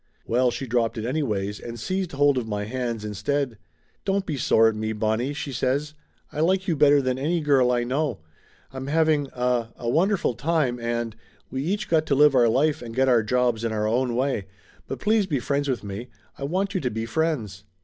Well, she dropped it anyways and seized hold of my hands in stead. "Don't be sore at me, Bonnie," she says. "I like you better than any girl I know. I'm having a a wonderful time and and we each got to live our life and get our jobs in our own way. But please be friends with me! I want you to be friends."